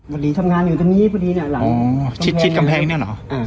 พอดีทำงานอยู่ตรงนี้พอดีเนี่ยหลังชิดชิดกำแพงเนี่ยเหรอ